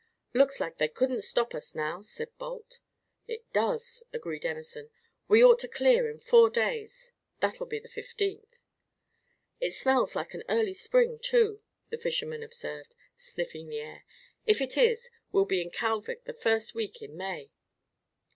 "Looks like they couldn't stop us now," said Balt. "It does," agreed Emerson. "We ought to clear in four days that'll be the 15th." "It smells like an early spring, too," the fisherman observed, sniffing the air. "If it is, we'll be in Kalvik the first week in May."